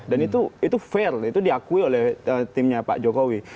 dan itu fair itu diakui oleh timnya pak jokowi